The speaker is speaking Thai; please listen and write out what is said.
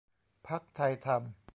พรรคไทยธรรม